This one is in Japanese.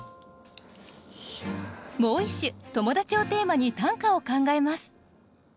もう一首「友達」をテーマに短歌を考えます。